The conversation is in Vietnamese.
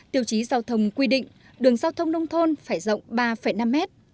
tiêu chí giao thông quy định đường giao thông nông thôn phải rộng ba năm mét